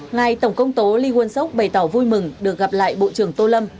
ngài tổng công tố lee won seok bày tỏ vui mừng được gặp lại bộ trưởng tô lâm